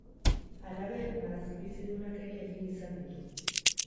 Halaber, marrazki bizidunak ere egin izan ditu.